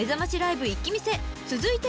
［続いては］